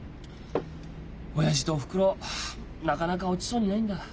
親父とおふくろなかなか落ちそうにないんだ。